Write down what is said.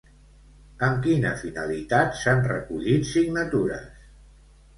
Amb quina finalitat s'han recollit signatures?